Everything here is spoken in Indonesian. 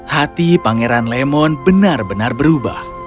hati pangeran lemon benar benar berubah